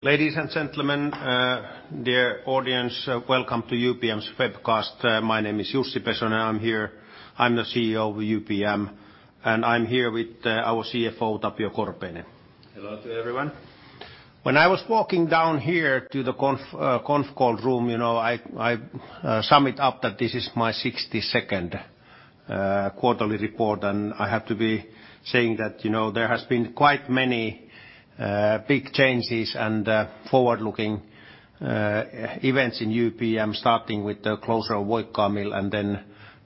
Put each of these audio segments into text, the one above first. Ladies and gentlemen, dear audience, welcome to UPM's webcast. My name is Jussi Pesonen. I'm the CEO of UPM, and I'm here with our CFO, Tapio Korpeinen. Hello to everyone. When I was walking down here to the conf call room, I sum it up that this is my 62nd quarterly report, and I have to be saying that there has been quite many big changes and forward-looking events in UPM, starting with the closure of Voikkaa Mill and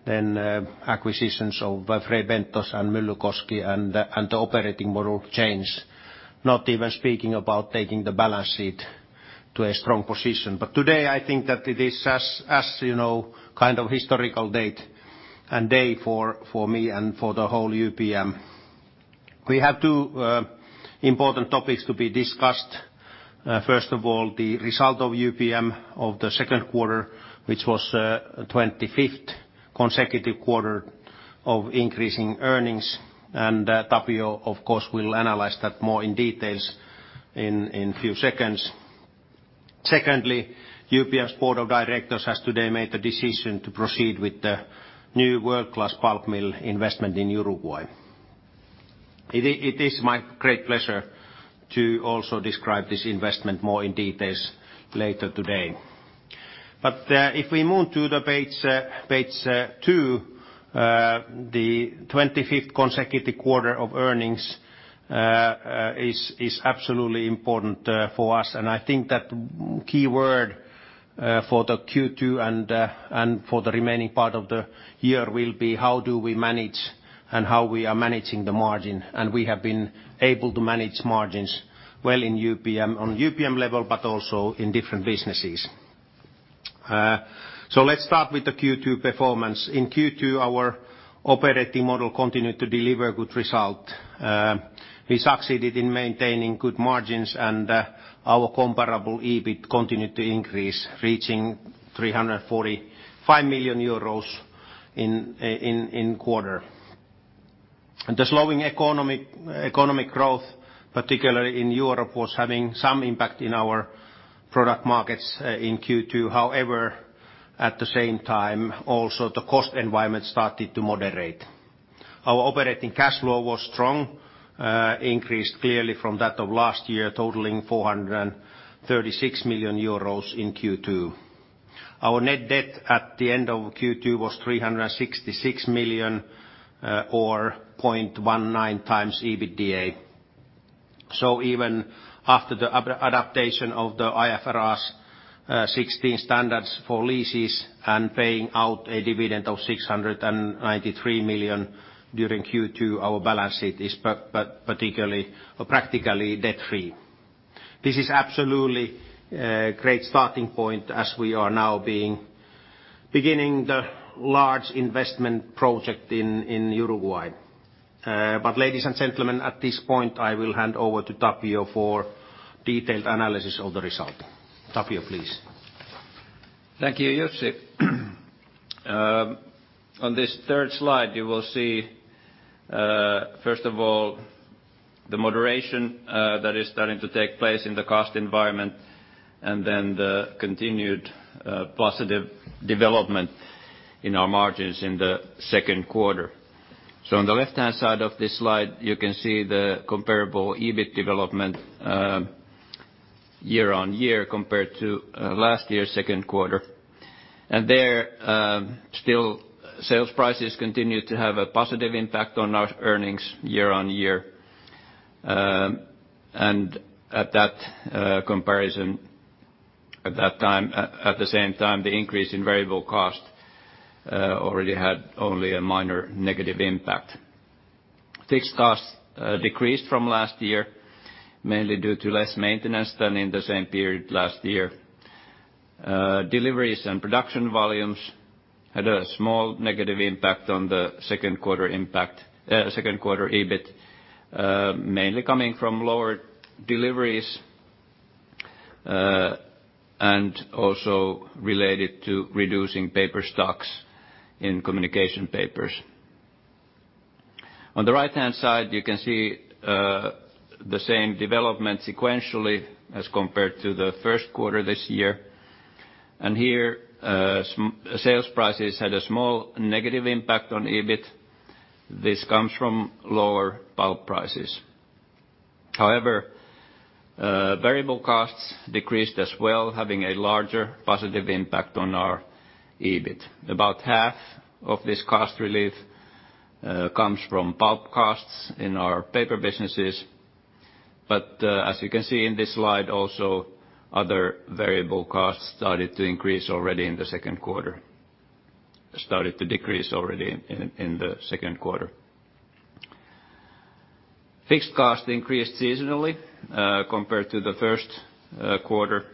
then acquisitions of Fray Bentos and Myllykoski and the operating model change, not even speaking about taking the balance sheet to a strong position. Today, I think that it is as kind of historical date and day for me and for the whole UPM. We have two important topics to be discussed. First of all, the result of UPM of the second quarter, which was 25th consecutive quarter of increasing earnings. Tapio, of course, will analyze that more in details in few seconds. Secondly, UPM's board of directors has today made the decision to proceed with the new world-class pulp mill investment in Uruguay. It is my great pleasure to also describe this investment more in details later today. If we move to page two, the 25th consecutive quarter of earnings is absolutely important for us, and I think that key word for the Q2 and for the remaining part of the year will be how do we manage and how we are managing the margin, and we have been able to manage margins well in UPM on UPM level, but also in different businesses. Let's start with the Q2 performance. In Q2, our operating model continued to deliver good result. We succeeded in maintaining good margins, and our comparable EBIT continued to increase, reaching 345 million euros in quarter. The slowing economic growth, particularly in Europe, was having some impact in our product markets in Q2. At the same time, also the cost environment started to moderate. Our operating cash flow was strong, increased clearly from that of last year, totaling 436 million euros in Q2. Our net debt at the end of Q2 was 366 million, or 0.19 times EBITDA. Even after the adaptation of the IFRS 16 standards for leases and paying out a dividend of 693 million during Q2, our balance sheet is practically debt-free. This is absolutely great starting point as we are now beginning the large investment project in Uruguay. Ladies and gentlemen, at this point, I will hand over to Tapio for detailed analysis of the result. Tapio, please. Thank you, Jussi. On this third slide, you will see, first of all, the moderation that is starting to take place in the cost environment, and then the continued positive development in our margins in the second quarter. On the left-hand side of this slide, you can see the comparable EBIT development year-on-year compared to last year's second quarter. There, still sales prices continue to have a positive impact on our earnings year-on-year. At that comparison at the same time, the increase in variable cost already had only a minor negative impact. Fixed costs decreased from last year, mainly due to less maintenance than in the same period last year. Deliveries and production volumes had a small negative impact on the second quarter EBIT, mainly coming from lower deliveries and also related to reducing paper stocks in Communication Papers. On the right-hand side, you can see the same development sequentially as compared to the first quarter this year. Here, sales prices had a small negative impact on EBIT. This comes from lower pulp prices. However, variable costs decreased as well, having a larger positive impact on our EBIT. About half of this cost relief comes from pulp costs in our paper businesses. As you can see in this slide, also other variable costs started to decrease already in the second quarter. Fixed cost increased seasonally compared to the first quarter,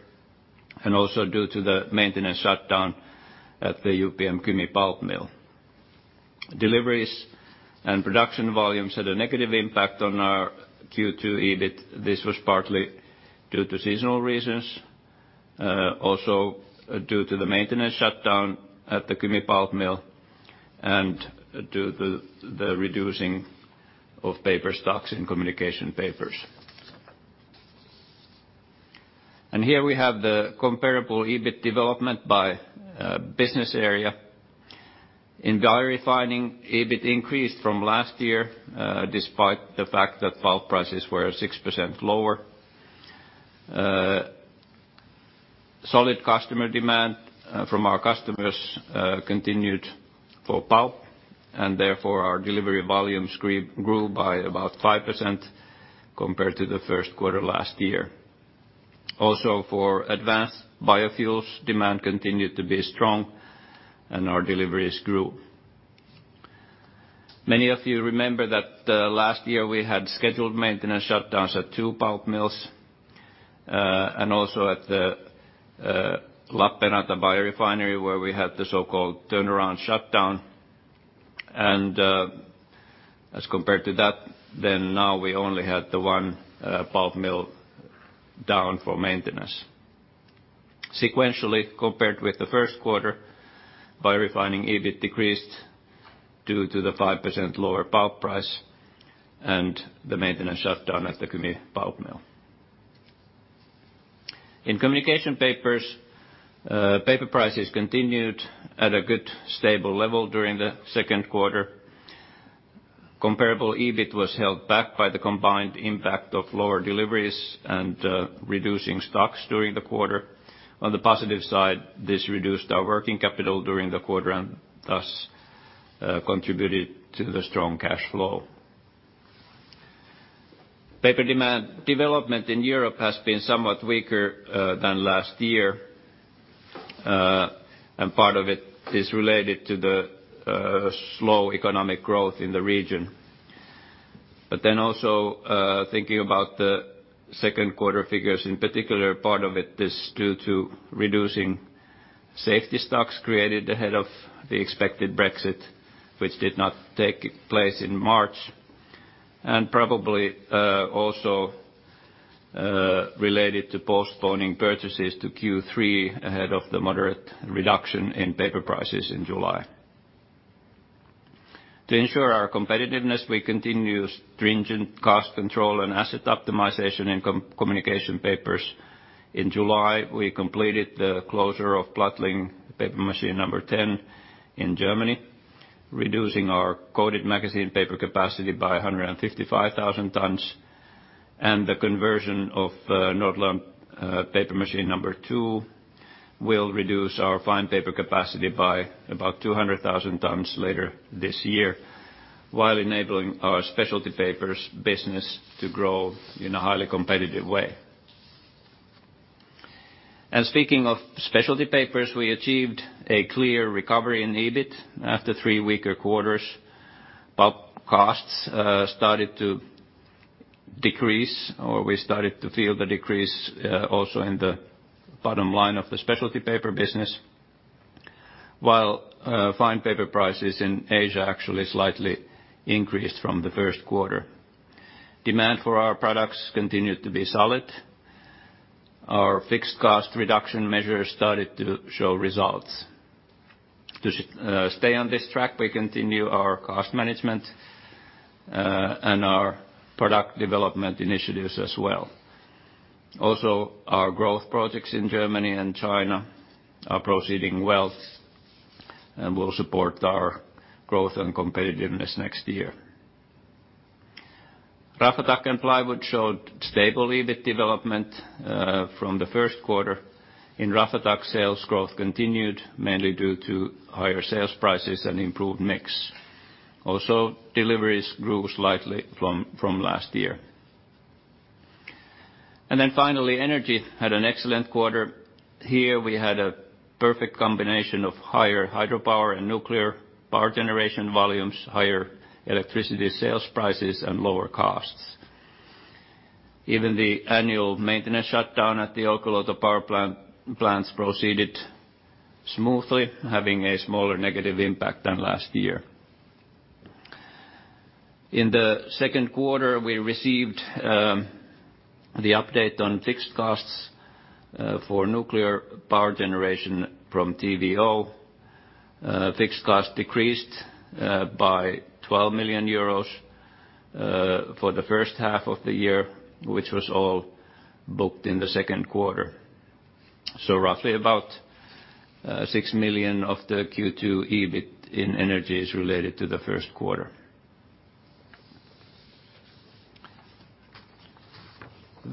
and also due to the maintenance shutdown at the UPM Kymi pulp mill. Deliveries and production volumes had a negative impact on our Q2 EBIT. This was partly due to seasonal reasons, also due to the maintenance shutdown at the Kymi pulp mill and to the reducing of paper stocks in Communication Papers. Here we have the comparable EBIT development by business area. In Biorefining, EBIT increased from last year despite the fact that pulp prices were 6% lower. Solid customer demand from our customers continued for pulp, therefore, our delivery volumes grew by about 5% compared to the first quarter last year. For advanced biofuels, demand continued to be strong and our deliveries grew. Many of you remember that last year we had scheduled maintenance shutdowns at two pulp mills, and also at the Lappeenranta biorefinery where we had the so-called turnaround shutdown. As compared to that, now we only had the one pulp mill down for maintenance. Sequentially, compared with the first quarter, Biorefining EBIT decreased due to the 5% lower pulp price and the maintenance shutdown at the Kymi pulp mill. In Communication Papers, paper prices continued at a good, stable level during the second quarter. Comparable EBIT was held back by the combined impact of lower deliveries and reducing stocks during the quarter. On the positive side, this reduced our working capital during the quarter and thus contributed to the strong cash flow. Paper demand development in Europe has been somewhat weaker than last year, part of it is related to the slow economic growth in the region. Also thinking about the second quarter figures in particular, part of it is due to reducing safety stocks created ahead of the expected Brexit, which did not take place in March, and probably also related to postponing purchases to Q3 ahead of the moderate reduction in paper prices in July. To ensure our competitiveness, we continue stringent cost control and asset optimization in Communication Papers. In July, we completed the closure of Plattling paper machine number 10 in Germany, reducing our coated magazine paper capacity by 155,000 tonnes. The conversion of Nordland paper machine number two will reduce our fine paper capacity by about 200,000 tonnes later this year, while enabling our specialty papers business to grow in a highly competitive way. Speaking of specialty papers, we achieved a clear recovery in EBIT after three weaker quarters. Pulp costs started to decrease, or we started to feel the decrease also in the bottom line of the specialty paper business, while fine paper prices in Asia actually slightly increased from the first quarter. Demand for our products continued to be solid. Our fixed cost reduction measures started to show results. To stay on this track, we continue our cost management and our product development initiatives as well. Our growth projects in Germany and China are proceeding well and will support our growth and competitiveness next year. Raflatac and Plywood showed stable EBIT development from the first quarter. In Raflatac, sales growth continued mainly due to higher sales prices and improved mix. Deliveries grew slightly from last year. Finally, Energy had an excellent quarter. Here, we had a perfect combination of higher hydropower and nuclear power generation volumes, higher electricity sales prices, and lower costs. Even the annual maintenance shutdown at the Olkiluoto power plants proceeded smoothly, having a smaller negative impact than last year. In the second quarter, we received the update on fixed costs for nuclear power generation from TVO. Fixed costs decreased by 12 million euros for the first half of the year, which was all booked in the second quarter. Roughly about 6 million of the Q2 EBIT in Energy is related to the first quarter.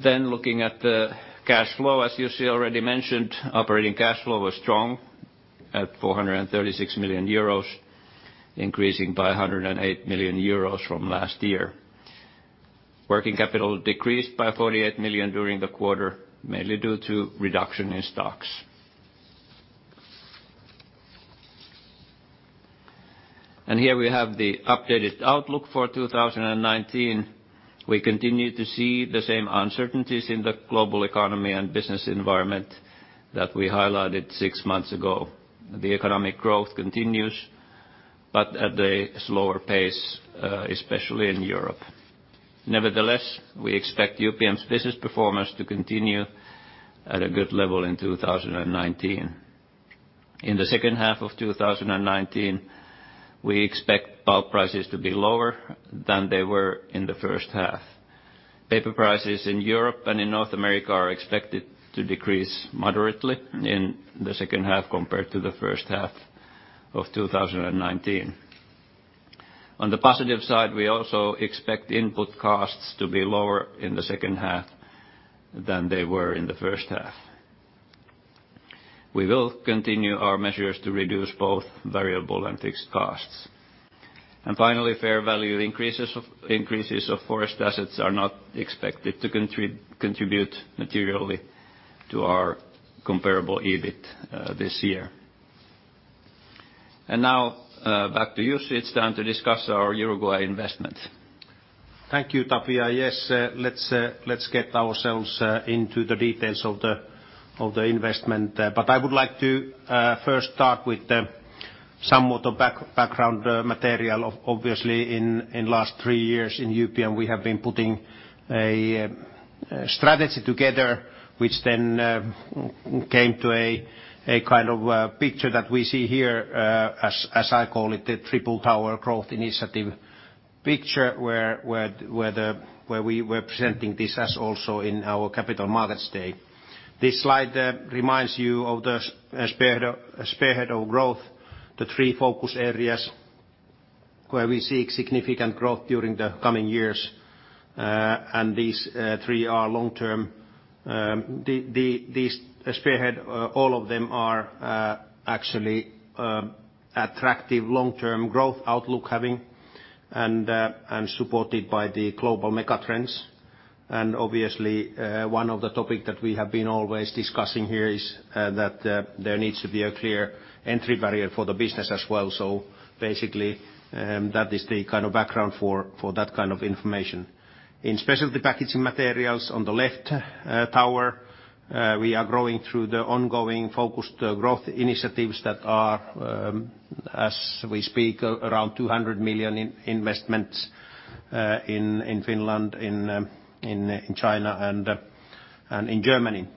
Looking at the cash flow, as Jussi already mentioned, operating cash flow was strong at 436 million euros, increasing by 108 million euros from last year. Working capital decreased by 48 million during the quarter, mainly due to reduction in stocks. Here we have the updated outlook for 2019. We continue to see the same uncertainties in the global economy and business environment that we highlighted six months ago. The economic growth continues, but at a slower pace, especially in Europe. Nevertheless, we expect UPM's business performance to continue at a good level in 2019. In the second half of 2019, we expect pulp prices to be lower than they were in the first half. Paper prices in Europe and in North America are expected to decrease moderately in the second half compared to the first half of 2019. On the positive side, we also expect input costs to be lower in the second half than they were in the first half. We will continue our measures to reduce both variable and fixed costs. Finally, fair value increases of forest assets are not expected to contribute materially to our comparable EBIT this year. Now back to you. It's time to discuss our Uruguay investment. Thank you, Tapio. Let's get ourselves into the details of the investment. I would like to first start with some of the background material. Obviously, in last three years in UPM, we have been putting a strategy together, which came to a picture that we see here, as I call it, the triple tower growth initiative picture, where we were presenting this as also in our Capital Markets Day. This slide reminds you of the spearhead of growth, the three focus areas where we seek significant growth during the coming years. These three are long-term. These spearhead, all of them are actually attractive long-term growth outlook having and are supported by the global mega trends. Obviously, one of the topic that we have been always discussing here is that there needs to be a clear entry barrier for the business as well. Basically, that is the kind of background for that kind of information. In specialty papers on the left tower, we are growing through the ongoing focused growth initiatives that are as we speak, around 200 million in investments in Finland, in China, and in Germany.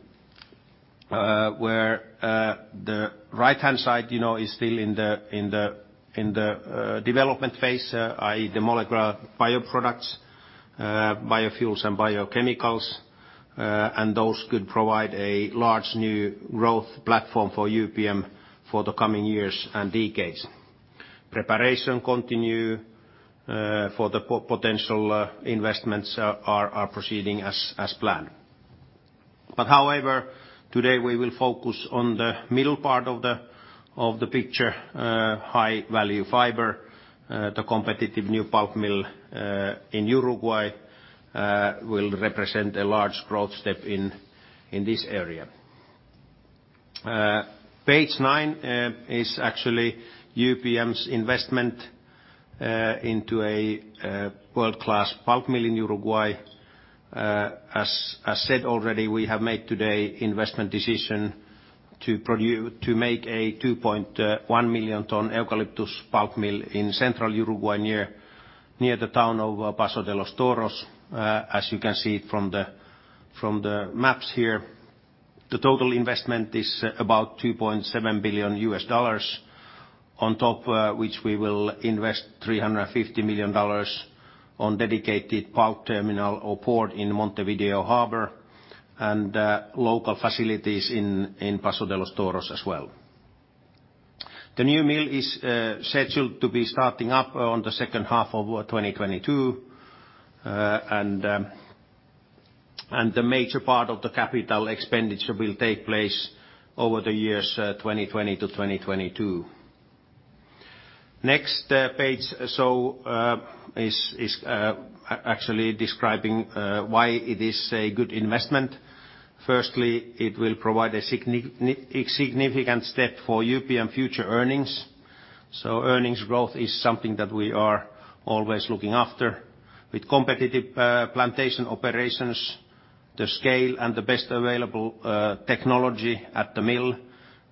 The right-hand side is still in the development phase, i.e., the molecular bioproducts, biofuels, and biochemicals, and those could provide a large new growth platform for UPM for the coming years and decades. Preparation continue for the potential investments are proceeding as planned. However, today we will focus on the middle part of the picture, high-value fiber, the competitive new pulp mill in Uruguay will represent a large growth step in this area. Page nine is actually UPM's investment into a world-class pulp mill in Uruguay. As said already, we have made today investment decision to make a 2.1 million tonnes eucalyptus pulp mill in central Uruguay near the town of Paso de los Toros. As you can see from the maps here, the total investment is about $2.7 billion. On top, which we will invest $350 million on dedicated pulp terminal or port in Montevideo Harbor, and local facilities in Paso de los Toros as well. The new mill is scheduled to be starting up on the second half of 2022. The major part of the capital expenditure will take place over the years 2020 to 2022. Next page is actually describing why it is a good investment. Firstly, it will provide a significant step for UPM future earnings. Earnings growth is something that we are always looking after. With competitive plantation operations, the scale, and the best available technology at the mill,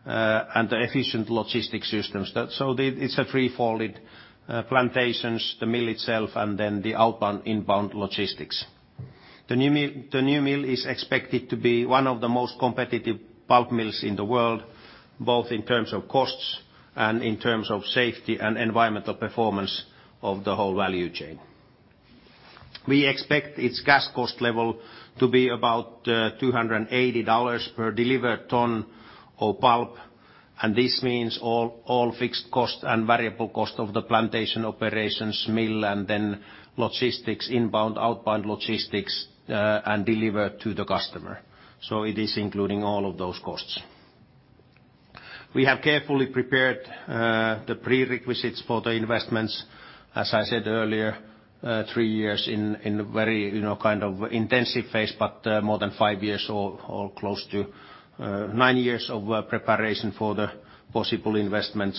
and the efficient logistics systems. It's a three-folded plantations, the mill itself, and then the outbound-inbound logistics. The new mill is expected to be one of the most competitive pulp mills in the world, both in terms of costs and in terms of safety and environmental performance of the whole value chain. We expect its cash cost level to be about $280 per delivered tonne of pulp, this means all fixed cost and variable cost of the plantation operations mill, and then logistics, inbound, outbound logistics, and delivered to the customer. It is including all of those costs. We have carefully prepared the prerequisites for the investments. As I said earlier, three years in a very intensive phase, but more than five years or close to nine years of preparation for the possible investment.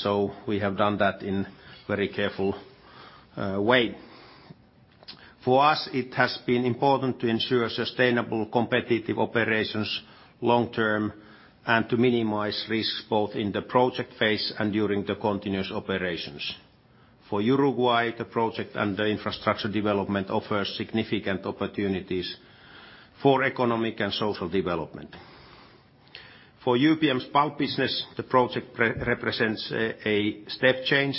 We have done that in very careful way. For us, it has been important to ensure sustainable competitive operations long-term and to minimize risks both in the project phase and during the continuous operations. For Uruguay, the project and the infrastructure development offers significant opportunities for economic and social development. For UPM's pulp business, the project represents a step change.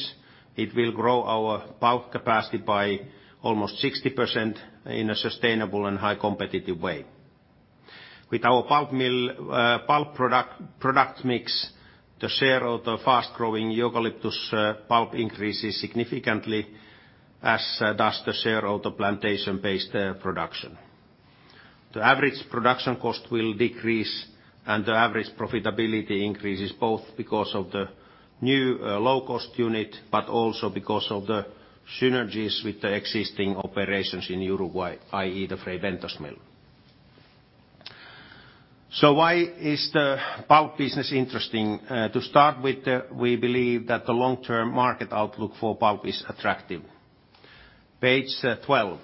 It will grow our pulp capacity by almost 60% in a sustainable and high competitive way. With our pulp product mix, the share of the fast-growing eucalyptus pulp increases significantly, as does the share of the plantation-based production. The average production cost will decrease, the average profitability increases, both because of the new low-cost unit, but also because of the synergies with the existing operations in Uruguay, i.e., the Fray Bentos mill. Why is the pulp business interesting? To start with, we believe that the long-term market outlook for pulp is attractive. Page 12.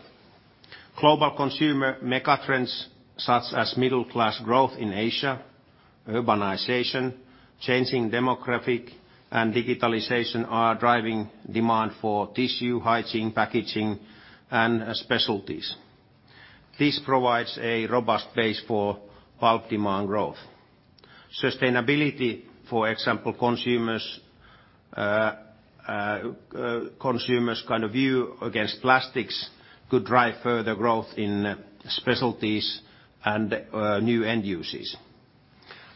Global consumer megatrends such as middle-class growth in Asia, urbanization, changing demographic, and digitalization are driving demand for tissue, hygiene, packaging, and specialties. This provides a robust base for pulp demand growth. Sustainability, for example, consumers' view against plastics could drive further growth in specialties and new end uses.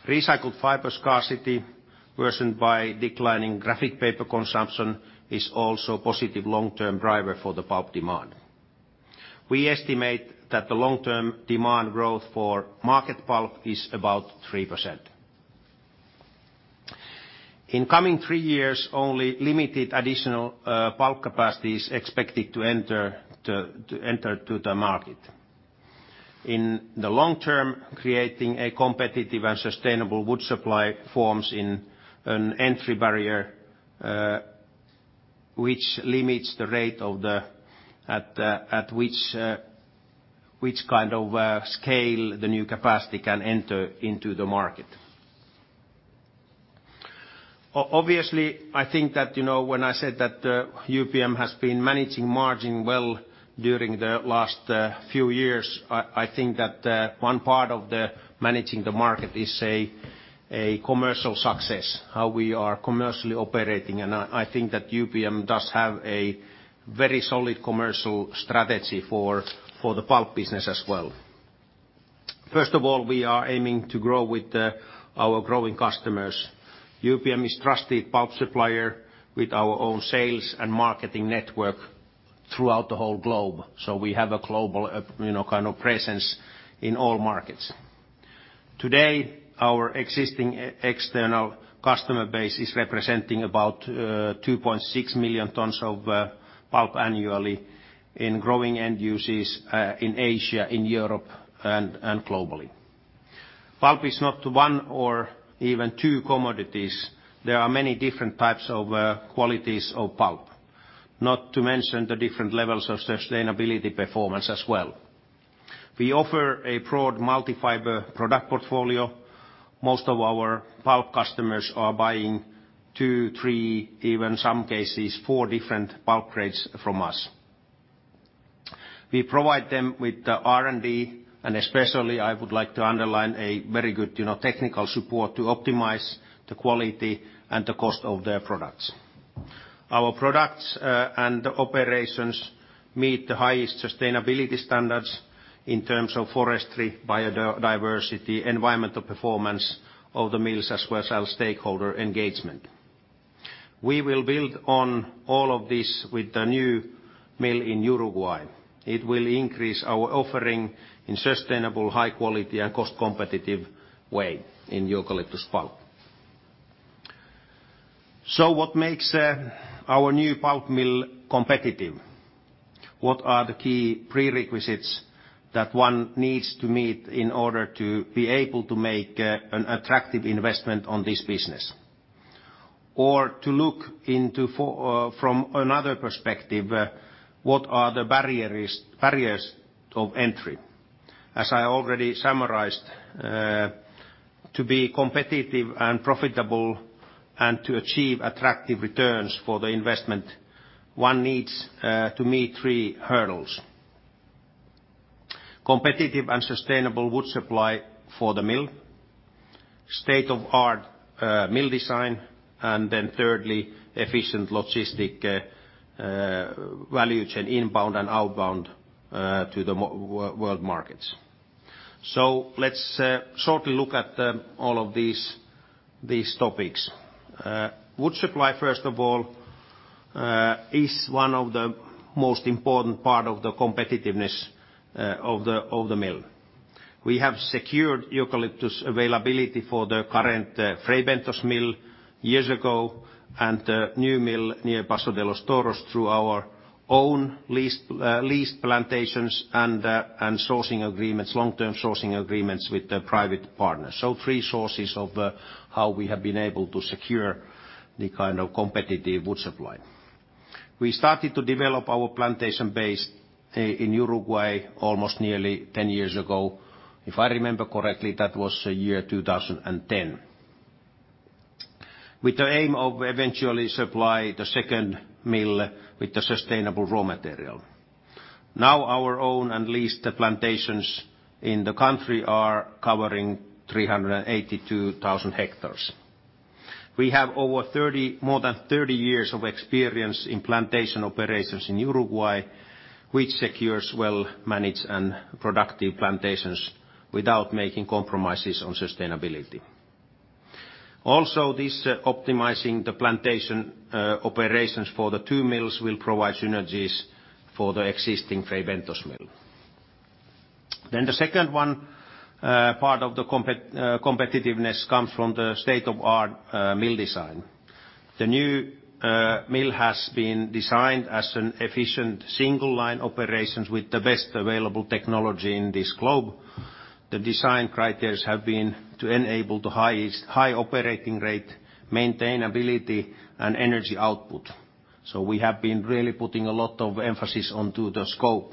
Recycled fiber scarcity worsened by declining graphic paper consumption is also a positive long-term driver for the pulp demand. We estimate that the long-term demand growth for market pulp is about 3%. In coming three years, only limited additional pulp capacity is expected to enter to the market. In the long term, creating a competitive and sustainable wood supply forms an entry barrier, which limits the rate at which scale the new capacity can enter into the market. Obviously, I think that when I said that UPM has been managing margin well during the last few years, I think that one part of managing the market is a commercial success, how we are commercially operating. I think that UPM does have a very solid commercial strategy for the pulp business as well. First of all, we are aiming to grow with our growing customers. UPM is trusted pulp supplier with our own sales and marketing network throughout the whole globe. We have a global presence in all markets. Today, our existing external customer base is representing about 2.6 million tonnes of pulp annually in growing end uses in Asia, in Europe, and globally. Pulp is not one or even two commodities. There are many different types of qualities of pulp, not to mention the different levels of sustainability performance as well. We offer a broad multi-fiber product portfolio. Most of our pulp customers are buying two, three, even some cases, four different pulp grades from us. We provide them with the R&D, and especially, I would like to underline a very good technical support to optimize the quality and the cost of their products. Our products and the operations meet the highest sustainability standards in terms of forestry, biodiversity, environmental performance of the mills, as well as stakeholder engagement. We will build on all of this with the new mill in Uruguay. It will increase our offering in sustainable, high quality, and cost competitive way in eucalyptus pulp. What makes our new pulp mill competitive? What are the key prerequisites that one needs to meet in order to be able to make an attractive investment on this business? To look into from another perspective, what are the barriers to entry? As I already summarized, to be competitive and profitable and to achieve attractive returns for the investment, one needs to meet three hurdles. Competitive and sustainable wood supply for the mill, state-of-art mill design, thirdly, efficient logistic value chain inbound and outbound to the world markets. Let's shortly look at all of these topics. Wood supply, first of all, is one of the most important part of the competitiveness of the mill. We have secured eucalyptus availability for the current Fray Bentos mill years ago and the new mill near Paso de los Toros through our own leased plantations and long-term sourcing agreements with the private partners. Three sources of how we have been able to secure the kind of competitive wood supply. We started to develop our plantation base in Uruguay almost nearly 10 years ago. If I remember correctly, that was year 2010. With the aim of eventually supply the second mill with the sustainable raw material. Now our own and leased plantations in the country are covering 382,000 hectares. We have more than 30 years of experience in plantation operations in Uruguay, which secures well-managed and productive plantations without making compromises on sustainability. This optimizing the plantation operations for the two mills will provide synergies for the existing Fray Bentos mill. The second one, part of the competitiveness comes from the state-of-the-art mill design. The new mill has been designed as an efficient single line operations with the best available technology in this globe. The design criteria have been to enable the high operating rate, maintainability, and energy output. We have been really putting a lot of emphasis onto the scope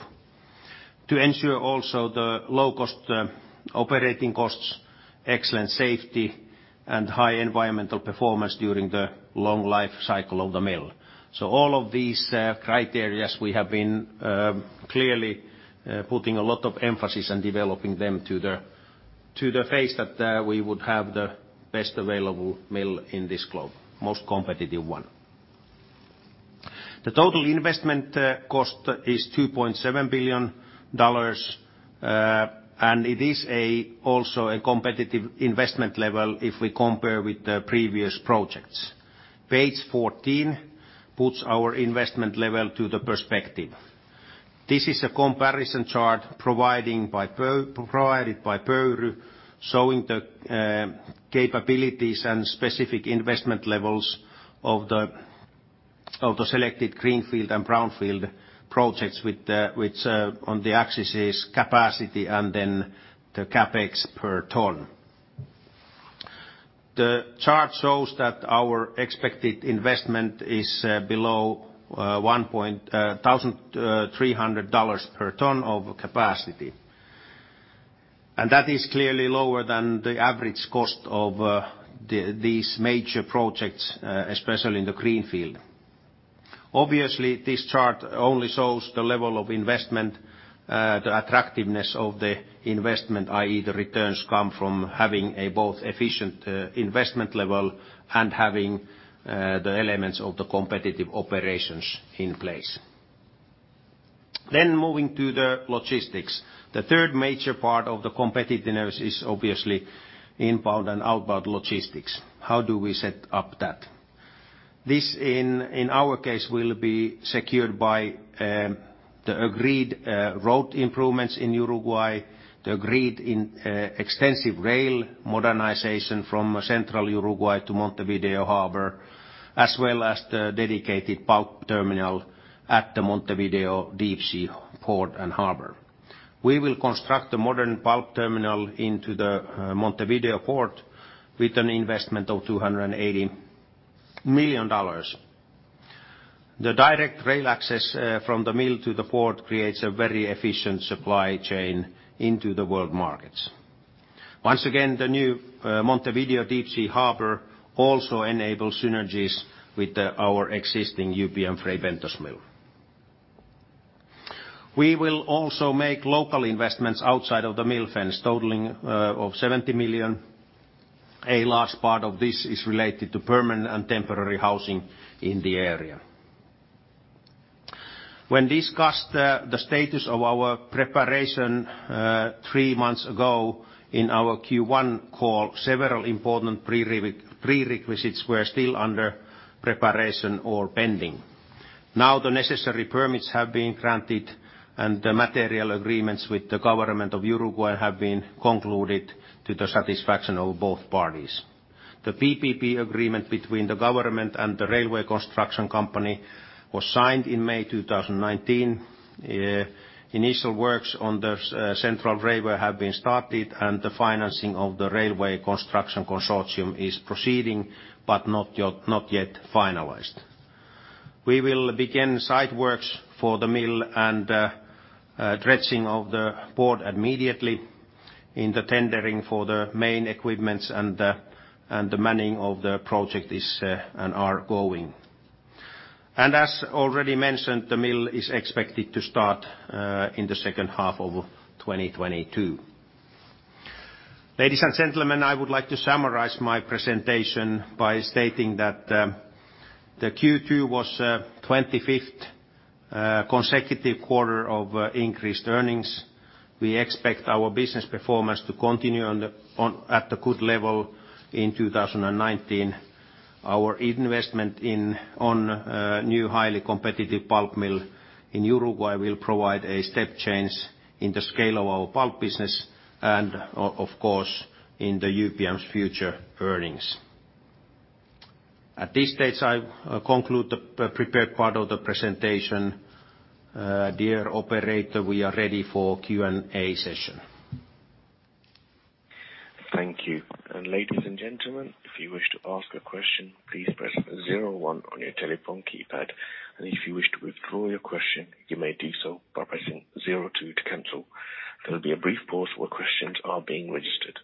to ensure also the low operating costs, excellent safety, and high environmental performance during the long life cycle of the mill. All of these criteria we have been clearly putting a lot of emphasis and developing them to the phase that we would have the best available mill in this globe, most competitive one. The total investment cost is $2.7 billion, and it is also a competitive investment level if we compare with the previous projects. Page 14 puts our investment level to the perspective. This is a comparison chart provided by Pöyry, showing the capabilities and specific investment levels of the selected greenfield and brownfield projects, which on the axis is capacity and then the CapEx per tonne. The chart shows that our expected investment is below $1,300 per tonne of capacity. That is clearly lower than the average cost of these major projects, especially in the greenfield. Obviously, this chart only shows the level of investment, the attractiveness of the investment, i.e. the returns come from having a both efficient investment level and having the elements of the competitive operations in place. Moving to the logistics. The third major part of the competitiveness is obviously inbound and outbound logistics. How do we set up that? This, in our case, will be secured by the agreed road improvements in Uruguay, the agreed extensive rail modernization from central Uruguay to Montevideo Harbor, as well as the dedicated pulp terminal at the Montevideo Deep Sea Port and Harbor. We will construct the modern pulp terminal into the Montevideo port with an investment of $280 million. The direct rail access from the mill to the port creates a very efficient supply chain into the world markets. Once again, the new Montevideo Deep Sea Harbor also enables synergies with our existing UPM Fray Bentos mill. We will also make local investments outside of the mill fence totaling of $70 million. A large part of this is related to permanent and temporary housing in the area. When discussed the status of our preparation three months ago in our Q1 call, several important prerequisites were still under preparation or pending. The necessary permits have been granted, and the material agreements with the Government of Uruguay have been concluded to the satisfaction of both parties. The PPP agreement between the Government and the railway construction company was signed in May 2019. Initial works on the central railway have been started, and the financing of the railway construction consortium is proceeding, but not yet finalized. We will begin site works for the mill and dredging of the port immediately in the tendering for the main equipment and the manning of the project are going. As already mentioned, the mill is expected to start in the second half of 2022. Ladies and gentlemen, I would like to summarize my presentation by stating that the Q2 was 25th consecutive quarter of increased earnings. We expect our business performance to continue at the good level in 2019. Our investment on new, highly competitive pulp mill in Uruguay will provide a step change in the scale of our pulp business and, of course, in the UPM's future earnings. At this stage, I conclude the prepared part of the presentation. Dear operator, we are ready for Q&A session. Thank you. Ladies and gentlemen, if you wish to ask a question, please press zero one on your telephone keypad. If you wish to withdraw your question, you may do so by pressing zero two to cancel. There'll be a brief pause while questions are being registered.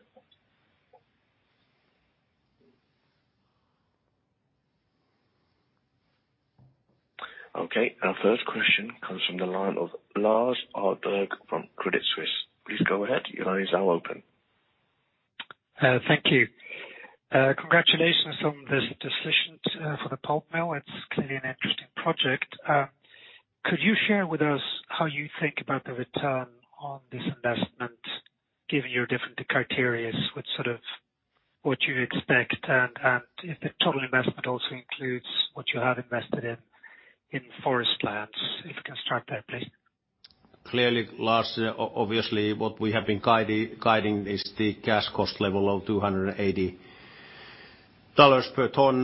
Okay, our first question comes from the line of Lars Kjellberg from Credit Suisse. Please go ahead. Your lines are open. Thank you. Congratulations on this decision for the pulp mill. It is clearly an interesting project. Could you share with us how you think about the return on this investment, given your different criteria? What you expect, and if the total investment also includes what you have invested in forest lands? If you can start there, please. Clearly, Lars, obviously what we have been guiding is the cash cost level of $280 per tonne.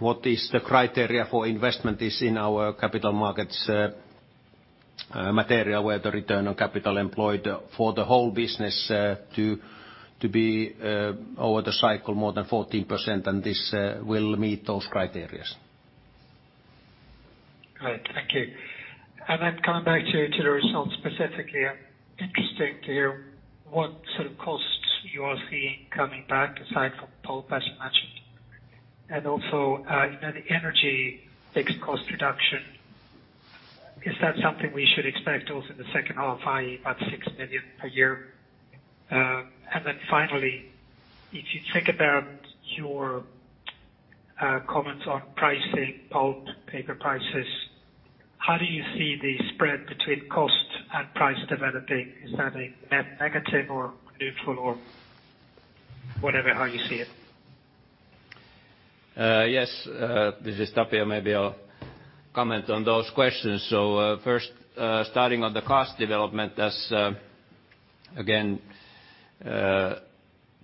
What is the criteria for investment is in our capital markets material, where the return on capital employed for the whole business to be over the cycle more than 14%, and this will meet those criteria. Great, thank you. Then coming back to the results specifically, interesting to hear what sort of costs you are seeing coming back aside from pulp as you mentioned. Also, the energy fixed cost reduction, is that something we should expect also in the second half, i.e., about 6 million per year? Finally, if you think about your comments on pricing pulp, paper prices, how do you see the spread between cost and price developing? Is that a negative or neutral or whatever, how you see it? Yes. This is Tapio. Maybe I'll comment on those questions. First, starting on the cost development as, again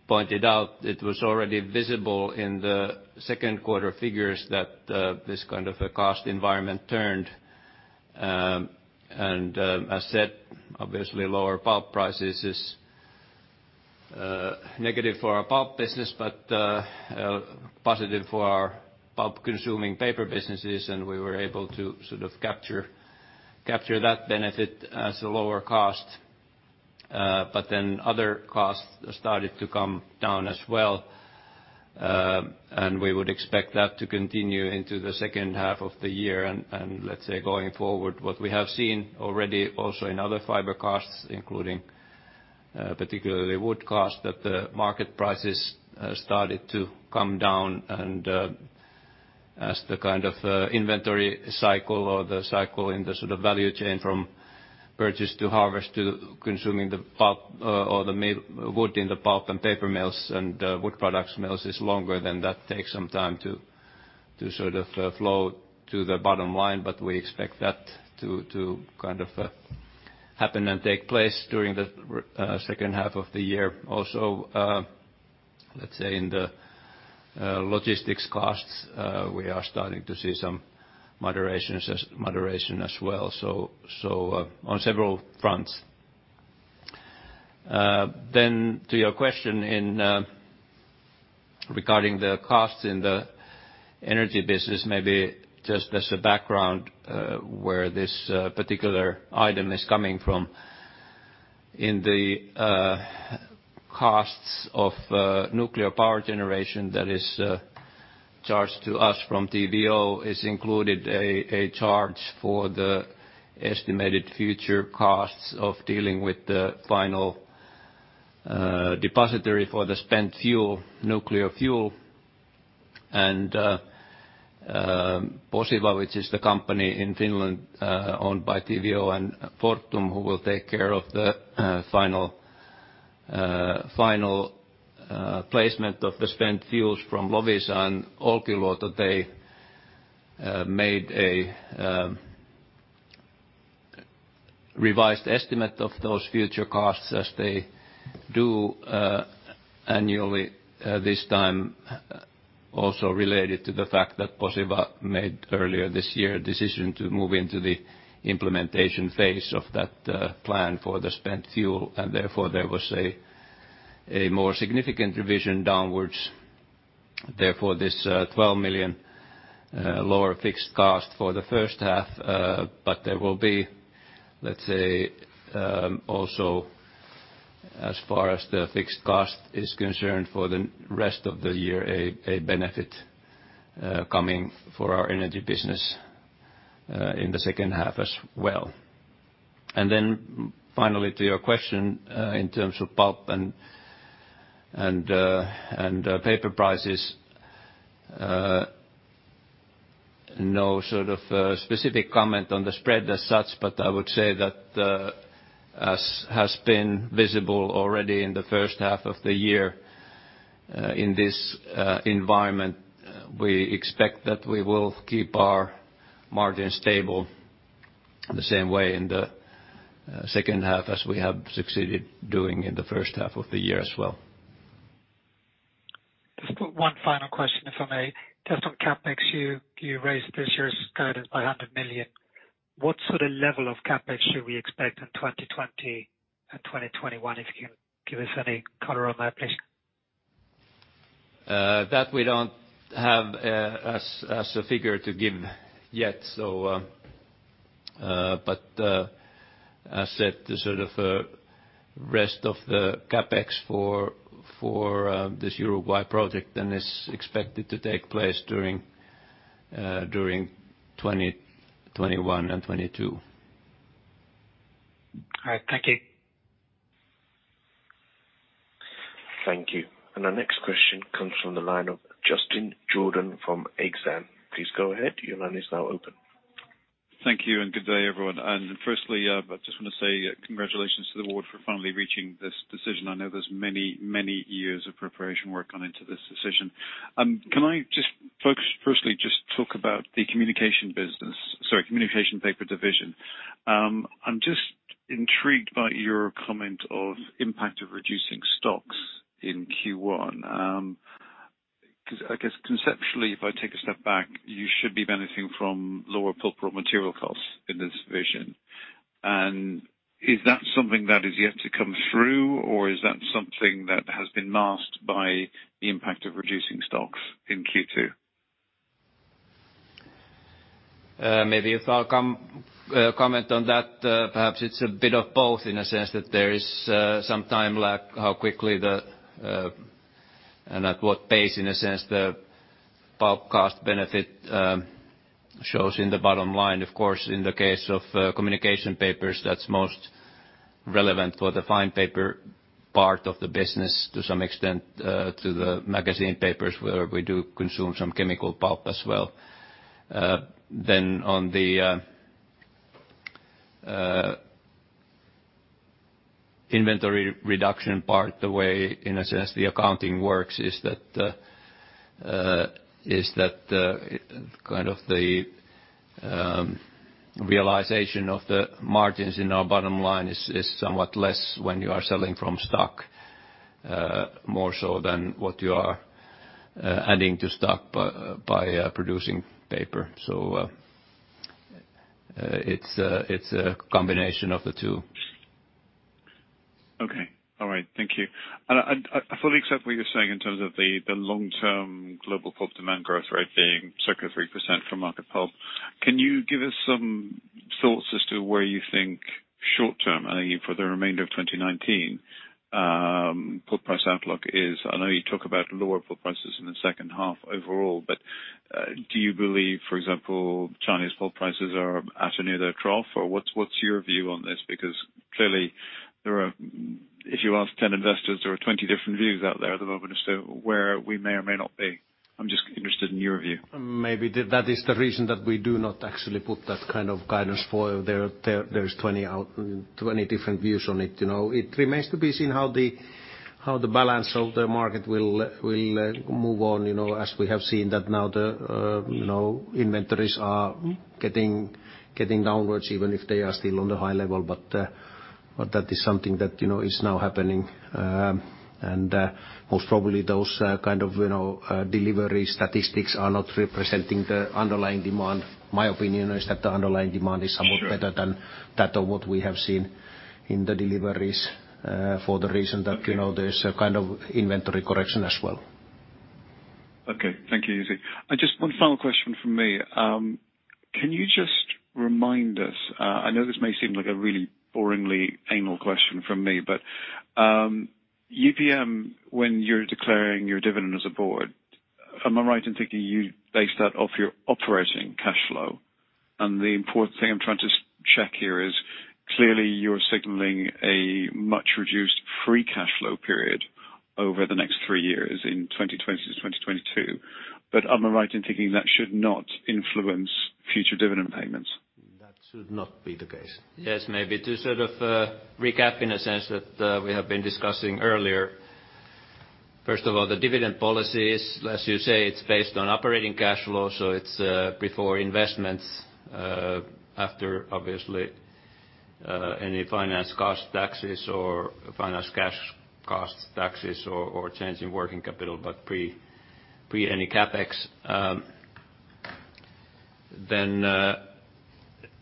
pointed out, it was already visible in the second quarter figures that this kind of a cost environment turned. As said, obviously lower pulp prices is negative for our pulp business but positive for our pulp-consuming paper businesses, and we were able to sort of capture that benefit as a lower cost. Other costs started to come down as well. We would expect that to continue into the second half of the year. Let's say going forward, what we have seen already also in other fiber costs, including particularly wood cost, that the market prices started to come down and as the kind of inventory cycle or the cycle in the sort of value chain from purchase to harvest to consuming the pulp or the wood in the pulp and paper mills and wood products mills is longer, that takes some time to sort of flow to the bottom line, but we expect that to happen and take place during the second half of the year. Let's say in the logistics costs, we are starting to see some moderation as well. On several fronts. To your question regarding the costs in the Energy business, maybe just as a background, where this particular item is coming from. In the costs of nuclear power generation that is charged to us from TVO is included a charge for the estimated future costs of dealing with the final depository for the spent nuclear fuel. Posiva, which is the company in Finland owned by TVO and Fortum, who will take care of the final placement of the spent fuels from Loviisa and Olkiluoto, made a revised estimate of those future costs, as they do annually, this time also related to the fact that Posiva made earlier this year a decision to move into the implementation phase of that plan for the spent fuel. Therefore, there was a more significant revision downwards. This 12 million lower fixed cost for the first half. There will be, let's say also, as far as the fixed cost is concerned, for the rest of the year, a benefit coming for our Energy business in the second half as well. Finally, to your question in terms of pulp and paper prices. No specific comment on the spread as such, I would say that as has been visible already in the first half of the year, in this environment, we expect that we will keep our margin stable the same way in the second half as we have succeeded doing in the first half of the year as well. Just one final question, if I may. Just on CapEx, you raised this year's guidance by 100 million. What sort of level of CapEx should we expect in 2020 and 2021? If you can give us any color on that, please. That we don't have as a figure to give yet. As said, the rest of the CapEx for this Uruguay project, then, is expected to take place during 2020, 2021 and 2022. All right. Thank you. Thank you. Our next question comes from the line of Justin Jordan from Exane. Please go ahead. Your line is now open. Thank you, good day, everyone. Firstly, I just want to say congratulations to the board for finally reaching this decision. I know there's many, many years of preparation work gone into this decision. Can I firstly just talk about the Communication Papers? Sorry, Communication Papers division. I'm just intrigued by your comment of impact of reducing stocks in Q1. I guess conceptually, if I take a step back, you should be benefiting from lower pulp or material costs in this division. Is that something that is yet to come through, or is that something that has been masked by the impact of reducing stocks in Q2? Maybe if I'll comment on that. Perhaps it's a bit of both in a sense that there is some time lag how quickly the, and at what pace, in a sense, the pulp cost benefit shows in the bottom line. Of course, in the case of Communication Papers, that's most relevant for the fine paper part of the business to some extent to the magazine papers where we do consume some chemical pulp as well. On the inventory reduction part, the way in a sense the accounting works is that the realization of the margins in our bottom line is somewhat less when you are selling from stock more so than what you are adding to stock by producing paper. It's a combination of the two. Okay. All right. Thank you. I fully accept what you're saying in terms of the long-term global pulp demand growth rate being circa 3% for market pulp. Can you give us some thoughts as to where you think short-term, I think for the remainder of 2019, pulp price outlook is? I know you talk about lower pulp prices in the second half overall, but do you believe, for example, Chinese pulp prices are at or near their trough? What's your view on this? Clearly if you ask 10 investors, there are 20 different views out there at the moment as to where we may or may not be. I'm just interested in your view. Maybe that is the reason that we do not actually put that kind of guidance for there is 20 different views on it. It remains to be seen how the balance of the market will move on as we have seen that now the inventories are getting downwards even if they are still on the high level. That is something that is now happening. Most probably those kind of delivery statistics are not representing the underlying demand. My opinion is that the underlying demand is somewhat better than that of what we have seen in the deliveries for the reason that there's a kind of inventory correction as well. Okay. Thank you, Jussi. Just one final question from me. Can you just remind us, I know this may seem like a really boringly anal question from me, but UPM, when you're declaring your dividend as a board, am I right in thinking you base that off your operating cash flow? The important thing I'm trying to check here is clearly you're signaling a much reduced free cash flow period over the next three years in 2020 to 2022. Am I right in thinking that should not influence future dividend payments? That should not be the case. Yes. Maybe to sort of recap in a sense that we have been discussing earlier. First of all, the dividend policy is, as you say, it's based on operating cash flow, so it's before investments, after obviously any finance cash costs, taxes, or change in working capital, but pre any CapEx.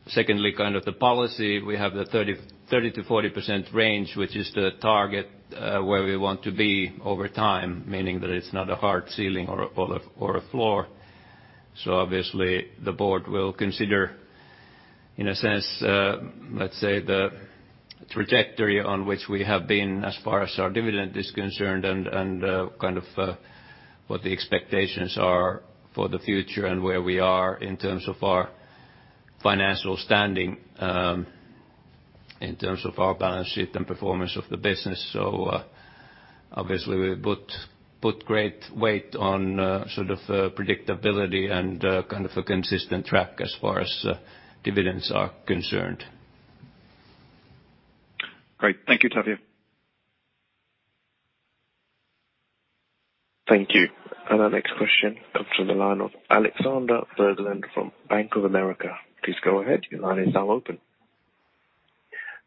Secondly, the policy, we have the 30%-40% range, which is the target where we want to be over time, meaning that it's not a hard ceiling or a floor. Obviously the board will consider, in a sense, let's say the trajectory on which we have been as far as our dividend is concerned and what the expectations are for the future and where we are in terms of our financial standing, in terms of our balance sheet and performance of the business. Obviously we put great weight on predictability and a consistent track as far as dividends are concerned. Great. Thank you, Tapio. Thank you. Our next question comes from the line of Alexander Berglund from Bank of America. Please go ahead. Your line is now open.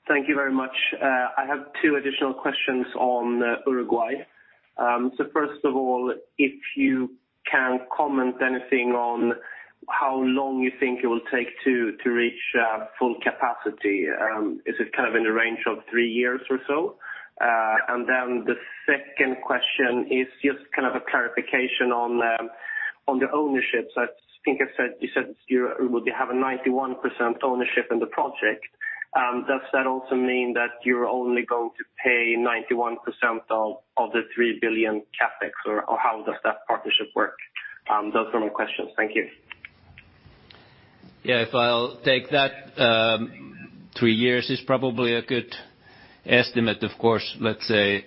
Thank you very much. I have two additional questions on Uruguay. First of all, if you can comment anything on how long you think it will take to reach full capacity? Is it in the range of three years or so? The second question is just a clarification on the ownership. I think you said Uruguay have a 91% ownership in the project. Does that also mean that you're only going to pay 91% of the $3 billion CapEx? How does that partnership work? Those are my questions. Thank you. If I'll take that, three years is probably a good estimate. Of course, let's say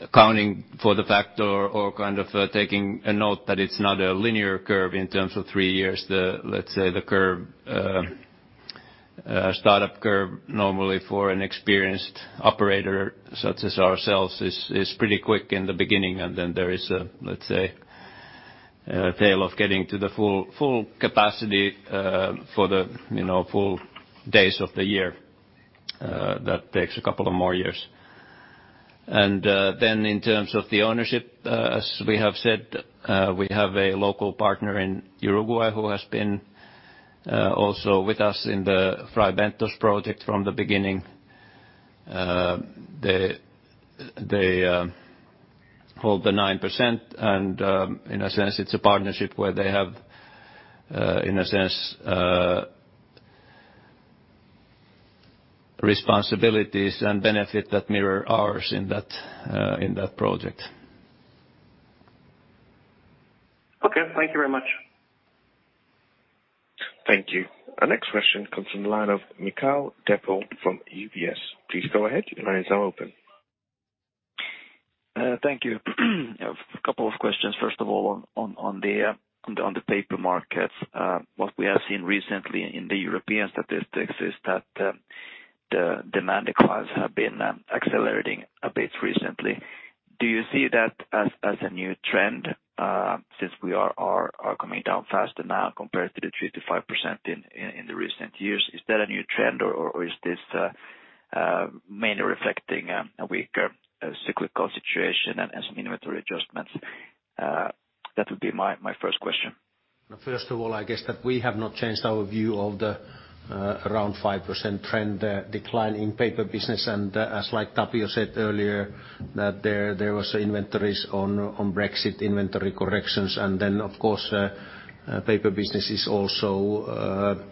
accounting for the factor or taking a note that it's not a linear curve in terms of three years. Let's say the startup curve normally for an experienced operator such as ourselves is pretty quick in the beginning, and then there is, let's say, a tail of getting to the full capacity for the full days of the year. That takes a couple of more years. Then in terms of the ownership, as we have said, we have a local partner in Uruguay who has been also with us in the Fray Bentos project from the beginning. In a sense, it's a partnership where they have responsibilities and benefit that mirror ours in that project. Okay. Thank you very much. Thank you. Our next question comes from the line of Mikhail Depot from UBS. Please go ahead. Your line is now open. Thank you. A couple of questions. First of all, on the paper markets. What we have seen recently in the European statistics is that the demand declines have been accelerating a bit recently. Do you see that as a new trend, since we are coming down faster now compared to the 3%-5% in the recent years? Is that a new trend or is this mainly reflecting a weaker cyclical situation and some inventory adjustments? That would be my first question. First of all, I guess that we have not changed our view of the around 5% trend decline in paper business. As Tapio said earlier, that there was inventories on Brexit inventory corrections. Of course, paper business is also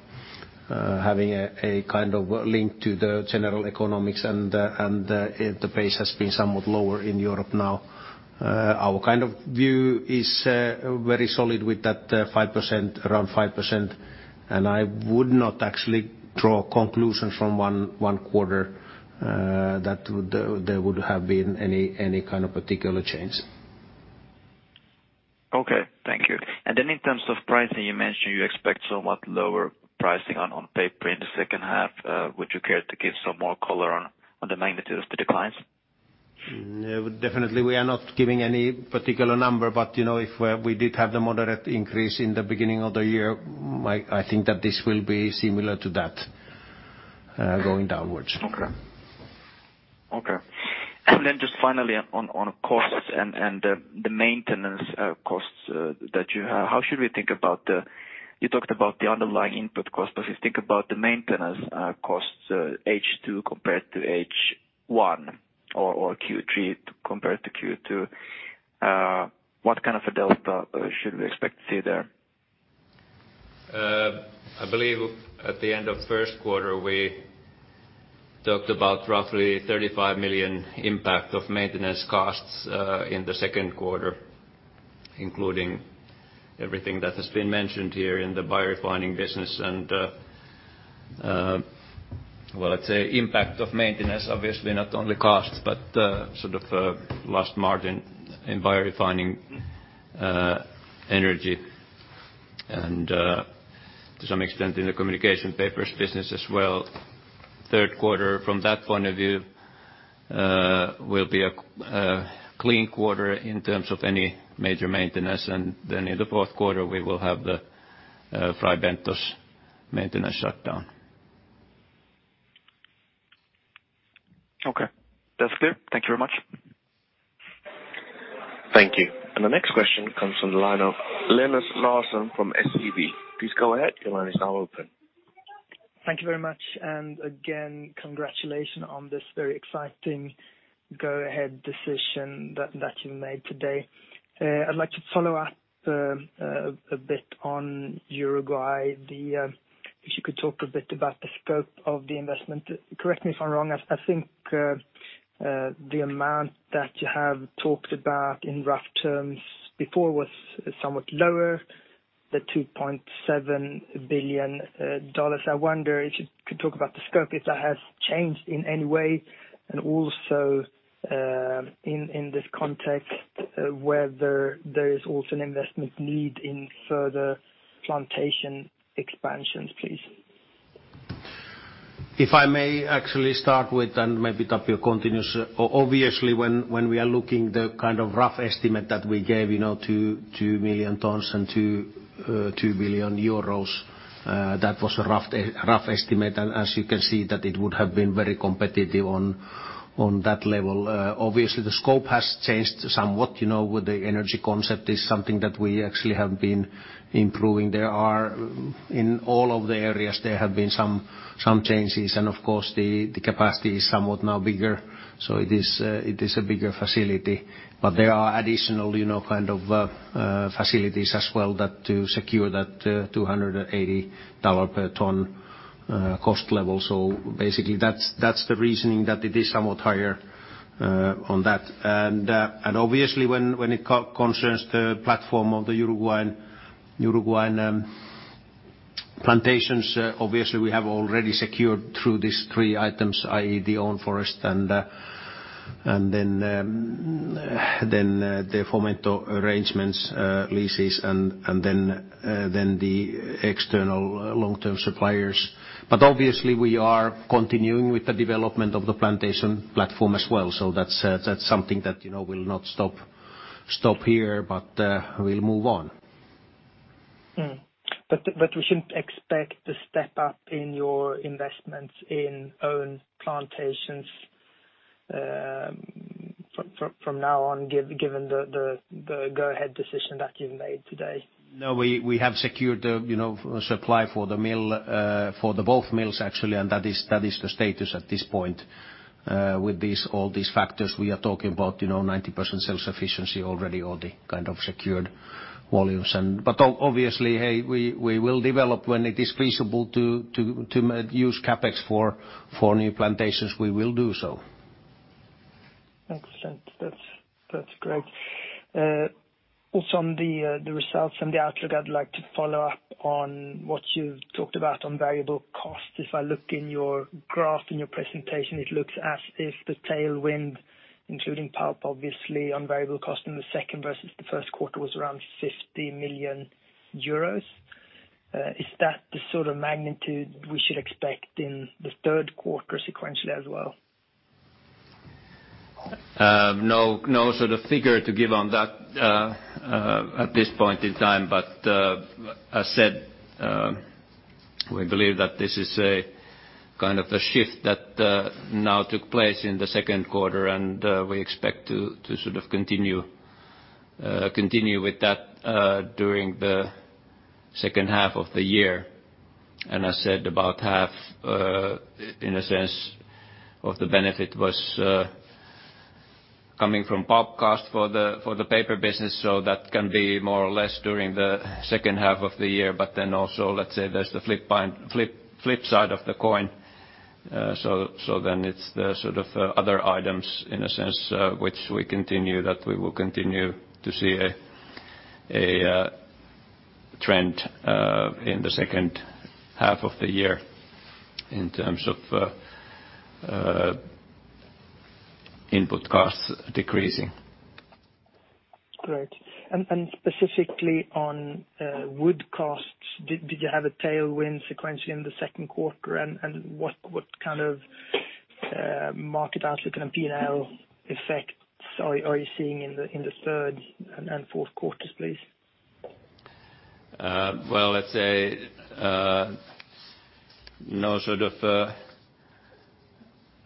having a kind of link to the general economics, and the pace has been somewhat lower in Europe now. Our view is very solid with that around 5%, and I would not actually draw conclusions from one quarter that there would have been any kind of particular change. Okay. Thank you. In terms of pricing, you mentioned you expect somewhat lower pricing on paper in the second half. Would you care to give some more color on the magnitude of the declines? Definitely, we are not giving any particular number. If we did have the moderate increase in the beginning of the year, I think that this will be similar to that, going downwards. Okay. Just finally on costs and the maintenance costs that you have. You talked about the underlying input cost, if you think about the maintenance costs H2 compared to H1 or Q3 compared to Q2, what kind of a delta should we expect to see there? I believe at the end of first quarter, we talked about roughly 35 million impact of maintenance costs in the second quarter, including everything that has been mentioned here in the Biorefining business and, well, let's say impact of maintenance, obviously not only costs, but sort of lost margin in Biorefining Energy and to some extent in the Communication Papers business as well. Third quarter, from that point of view, will be a clean quarter in terms of any major maintenance. In the fourth quarter, we will have the Fray Bentos maintenance shutdown. Okay. That's clear. Thank you very much. Thank you. The next question comes from the line of Linus Larsson from SEB. Please go ahead. Your line is now open. Thank you very much. Again, congratulations on this very exciting go-ahead decision that you made today. I'd like to follow up a bit on Uruguay. If you could talk a bit about the scope of the investment. Correct me if I'm wrong, I think the amount that you have talked about in rough terms before was somewhat lower, the $2.7 billion. I wonder if you could talk about the scope, if that has changed in any way. Also, in this context, whether there is also an investment need in further plantation expansions, please. If I may actually start and maybe Tapio continues. When we are looking the rough estimate that we gave, 2 million tonnes and 2 billion euros, that was a rough estimate. As you can see that it would have been very competitive on that level. The scope has changed somewhat, with the energy concept is something that we actually have been improving. In all of the areas, there have been some changes and, of course, the capacity is somewhat now bigger, so it is a bigger facility. There are additional kind of facilities as well that to secure that $280 per tonne cost level. Basically that's the reasoning that it is somewhat higher on that. When it concerns the platform of the Uruguayan plantations, obviously we have already secured through these three items, i.e. the own forest and then the Fomento arrangements leases and then the external long-term suppliers. Obviously we are continuing with the development of the plantation platform as well. That's something that will not stop here, but we'll move on. We shouldn't expect to step up in your investments in own plantations from now on, given the go-ahead decision that you've made today. No, we have secured the supply for both mills actually. That is the status at this point. With all these factors we are talking about 90% self-sufficiency already or the kind of secured volumes. Obviously, we will develop when it is feasible to use CapEx for new plantations, we will do so. Excellent. That's great. Also, on the results and the outlook, I'd like to follow up on what you've talked about on variable costs. If I look in your graph in your presentation, it looks as if the tailwind, including pulp obviously on variable cost in the second versus the first quarter was around 50 million euros. Is that the sort of magnitude we should expect in the third quarter sequentially as well? No sort of figure to give on that at this point in time. As said, we believe that this is a kind of a shift that now took place in the second quarter and we expect to sort of continue with that during the second half of the year. As said, about half in a sense of the benefit was coming from pulp cost for the paper business. That can be more or less during the second half of the year. Also let's say there's the flip side of the coin. It's the sort of other items in a sense, which we continue that we will continue to see a trend in the second half of the year in terms of input costs decreasing. Great. Specifically on wood costs, did you have a tailwind sequentially in the second quarter? What kind of market outlook and P&L effects are you seeing in the third and fourth quarters, please? Well, let's say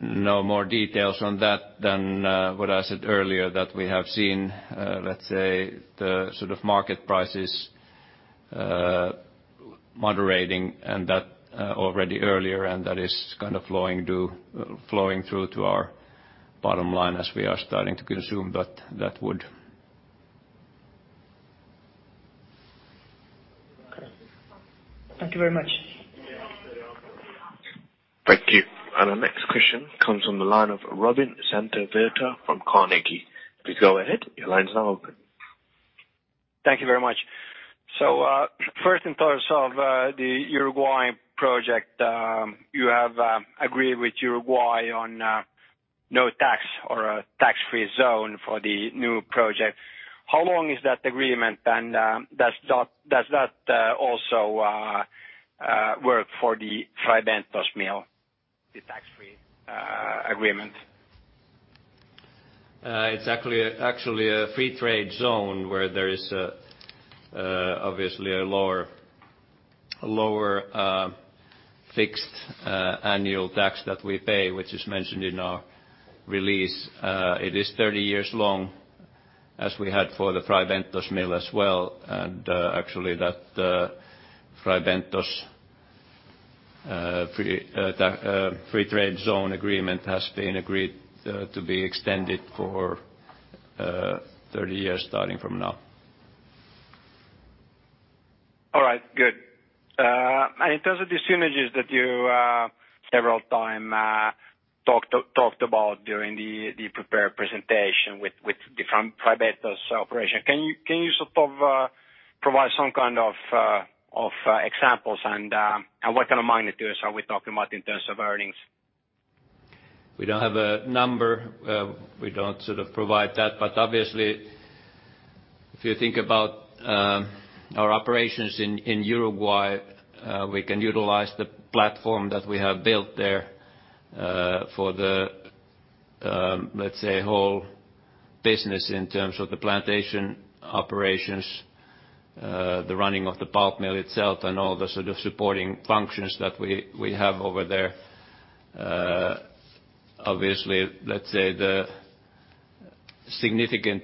no more details on that than what I said earlier that we have seen, let's say the sort of market prices moderating and that already earlier, and that is kind of flowing through to our bottom line as we are starting to consume that wood. Okay. Thank you very much. Thank you. Our next question comes from the line of Robin Santavirta from Carnegie. Please go ahead. Your line is now open. Thank you very much. First in terms of the Uruguayan project, you have agreed with Uruguay on no tax or a tax-free zone for the new project. How long is that agreement and does that also work for the Fray Bentos mill, the tax-free agreement? It's actually a free trade zone where there is obviously a lower fixed annual tax that we pay, which is mentioned in our release. It is 30 years long as we had for the Fray Bentos mill as well. Actually that Fray Bentos free trade zone agreement has been agreed to be extended for 30 years starting from now. All right, good. In terms of the synergies that you several times talked about during the prepared presentation with different Fray Bentos operation, can you sort of provide some kind of examples and what kind of magnitudes are we talking about in terms of earnings? We don't have a number. We don't provide that. Obviously, if you think about our operations in Uruguay, we can utilize the platform that we have built there for the whole business in terms of the plantation operations, the running of the pulp mill itself, and all the supporting functions that we have over there. Obviously, the significant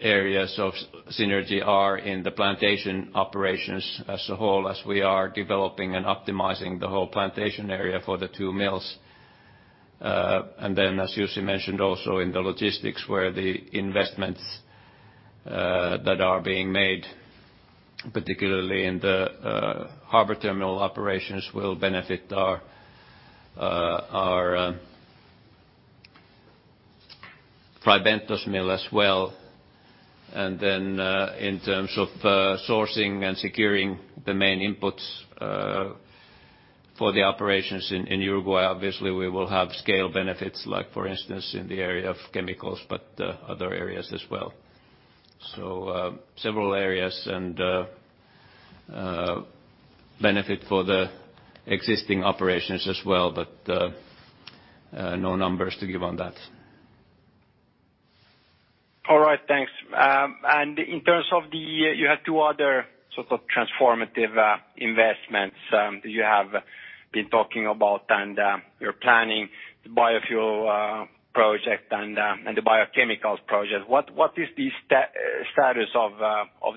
areas of synergy are in the plantation operations as a whole, as we are developing and optimizing the whole plantation area for the two mills. As Jussi mentioned also in the logistics where the investments that are being made, particularly in the harbor terminal operations, will benefit our Fray Bentos mill as well. In terms of sourcing and securing the main inputs for the operations in Uruguay, obviously we will have scale benefits like, for instance, in the area of chemicals, but other areas as well. Several areas, and benefit for the existing operations as well, but no numbers to give on that. All right. Thanks. In terms of the, you have two other transformative investments that you have been talking about, and you're planning the biofuel project and the biochemicals project. What is the status of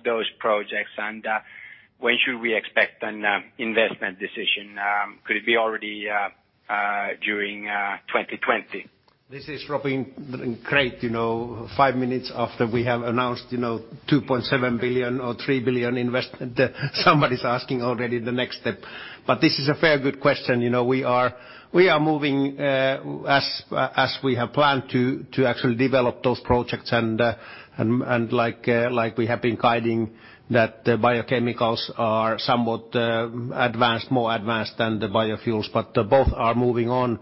those projects, and when should we expect an investment decision? Could it be already during 2024? This is running great, five minutes after we have announced $2.7 billion or $3 billion investment, somebody's asking already the next step. This is a fair good question. We are moving as we have planned to actually develop those projects and like we have been guiding that the biochemicals are somewhat more advanced than the biofuels. Both are moving on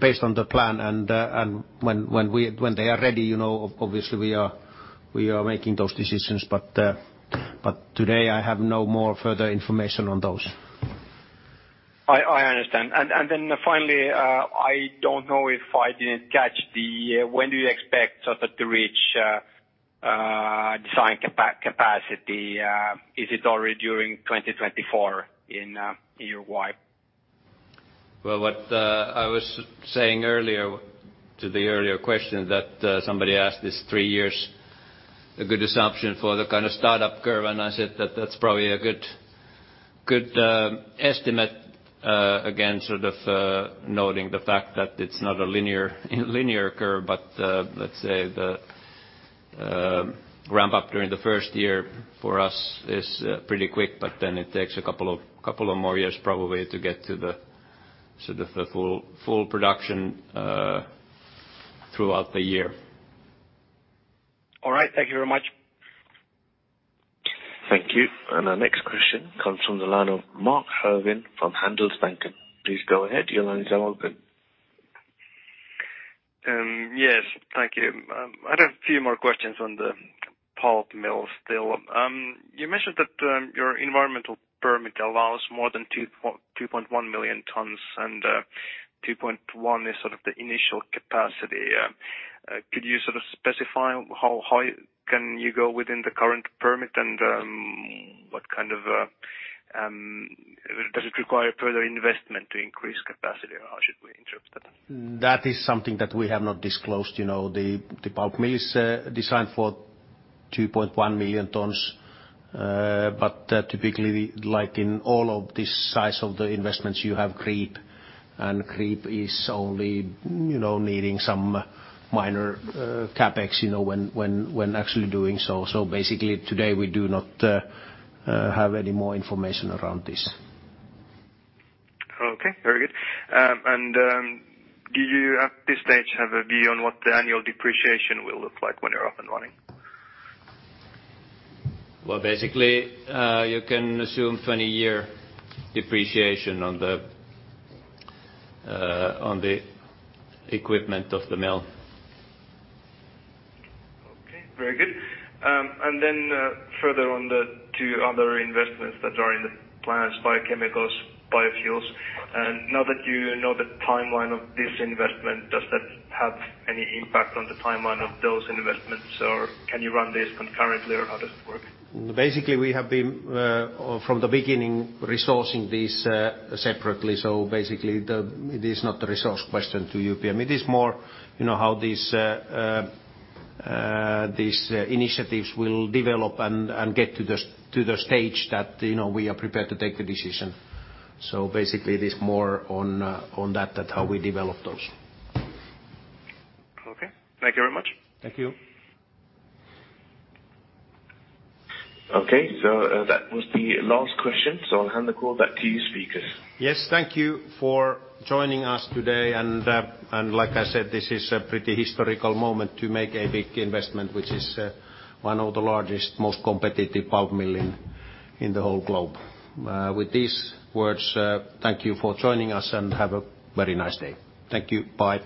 based on the plan. When they are ready, obviously we are making those decisions. Today, I have no more further information on those. I understand. Finally, I don't know if I didn't catch the, when do you expect to reach design capacity? Is it already during 2024 in Uruguay? Well, what I was saying earlier to the earlier question that somebody asked, this three years a good assumption for the kind of startup curve, I said that that's probably a good estimate. Again, noting the fact that it's not a linear curve, let's say the ramp-up during the first year for us is pretty quick, it takes a couple of more years probably to get to the full production throughout the year. All right. Thank you very much. Thank you. Our next question comes from the line of Mark Hoving from Handelsbanken. Please go ahead. Your lines are open. Yes. Thank you. I have a few more questions on the pulp mill still. You mentioned that your environmental permit allows more than 2.1 million tonnes, and 2.1 is sort of the initial capacity. Could you specify how high can you go within the current permit and Does it require further investment to increase capacity, or how should we interpret that? That is something that we have not disclosed. The pulp mill is designed for 2.1 million tonnes. Typically, like in all of this size of the investments you have creep, and creep is only needing some minor CapEx when actually doing so. Basically today we do not have any more information around this. Okay. Very good. Do you, at this stage, have a view on what the annual depreciation will look like when you're up and running? Well, basically, you can assume 20-year depreciation on the equipment of the mill. Okay. Very good. Further on the two other investments that are in the plans, biochemicals, biofuels. Now that you know the timeline of this investment, does that have any impact on the timeline of those investments, or can you run this concurrently, or how does it work? We have been, from the beginning, resourcing these separately. Basically, it is not a resource question to UPM. It is more how these initiatives will develop and get to the stage that we are prepared to take the decision. Basically, it is more on that how we develop those. Okay. Thank you very much. Thank you. Okay. That was the last question. I'll hand the call back to you speakers. Yes. Thank you for joining us today. Like I said, this is a pretty historical moment to make a big investment, which is one of the largest, most competitive pulp mill in the whole globe. With these words, thank you for joining us, and have a very nice day. Thank you. Bye.